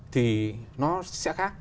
thì nó sẽ khác